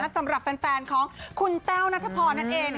สำหรับแฟนของคุณแต้วนัทพรนั่นเอง